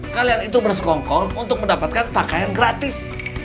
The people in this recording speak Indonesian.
kalian itu bersekongkol untuk mendapatkan pakaian gratis